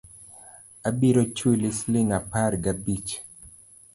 Abiro chuli siling apar ga abich